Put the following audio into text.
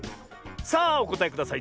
さあおこたえください。